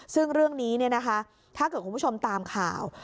ซึ่งเรื่องนี้เนี่ยนะคะถ้าเกิดคุณผู้ชมตามข่าว